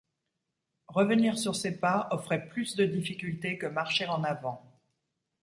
Revenir sur ses pas offrait plus de difficultés que marcher en avant.